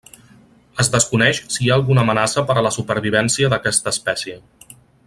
Es desconeix si hi ha alguna amenaça per a la supervivència d'aquesta espècie.